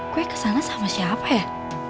gue kesana sama siapa ya